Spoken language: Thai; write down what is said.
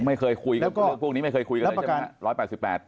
ไม่เคยคุยกับพวกนี้ไม่เคยคุยกันเลยใช่ไหมครับ